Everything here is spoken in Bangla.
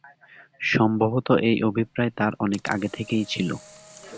সম্ভবত এই অভিপ্রায় তার অনেক আগে থেকেই ছিল।